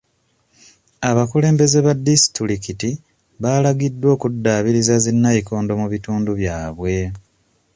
Abakulembeze ba disitulikiti baalagiddwa okuddaabiriza zi nnayikondo mu bitundu byabwe.